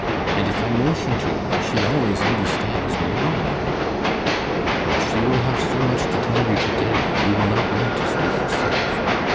And if I motion to her, she always understands me wrong.' 'O, she will have so much to tell you to day, you will not want to speak yourself.